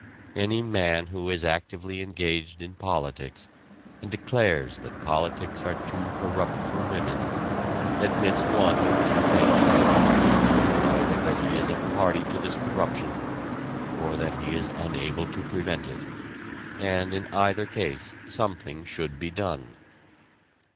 Any man who is actively engaged in politics, and declares that politics are too corrupt for women, admits one of two things, either that he is a party to this corruption, or that he is unable to prevent it and in either case something should be done.